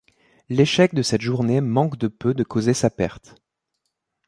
L’échec de cette journée manque de peu de causer sa perte.